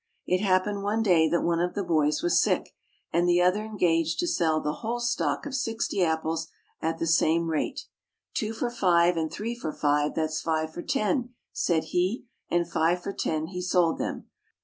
It happened one day that one of the boys was sick, and the other engaged to sell the whole stock of sixty apples at the same rate. "Two for five, and three for five, that's five for ten," said he, and five for ten he sold them.